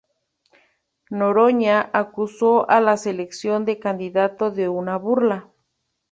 Noroña acusó a la selección de candidato de una burla.